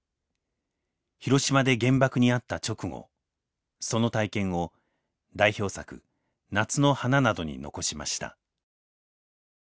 広島で原爆に遭った直後その体験を代表作「夏の花」などに残しました。